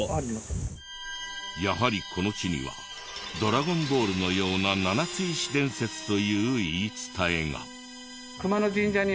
やはりこの地にはドラゴンボールのような七ツ石伝説という言い伝えが。